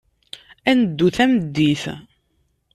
Ad neddu tameddit.